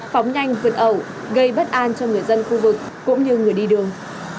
phóng nhanh vượt ẩu gây bất an cho người dân khu vực cũng như người đi đường